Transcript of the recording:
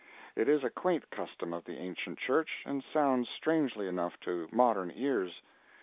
It is a quaint custom of the ancient Church, and sounds strangely enough to modern ears.